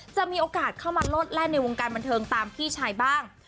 จะมีโอกาสเข้ามาโลดแล่นในวงการบันเทิงตามพี่ชายบ้าง